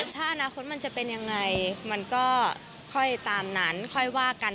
ถ้าอนาคตมันจะเป็นยังไงมันก็ค่อยตามนั้นค่อยว่ากัน